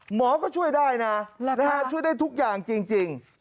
หมอก็ช่วยได้นะช่วยได้ทุกอย่างจริง